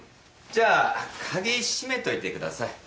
じゃあ鍵締めといてください。